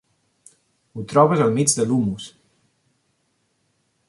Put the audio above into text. Ho trobes al mig de l'humus.